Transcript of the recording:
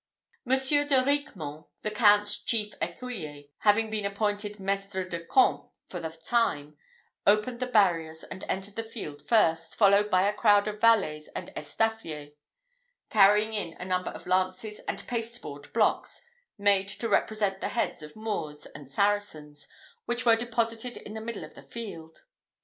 Monsieur de Riquemont, the Count's chief ecuyer, having been appointed mestre de camp for the time, opened the barriers and entered the field first, followed by a crowd of valets and estaffiers, carrying in a number of lances and pasteboard blocks, made to represent the heads of Moors and Saracens, which were deposited in the middle of the field.